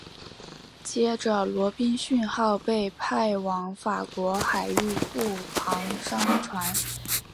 接着罗宾逊号被派往法国海域护航商船。